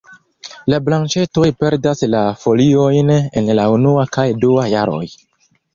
La branĉetoj perdas la foliojn en la unua kaj dua jaroj.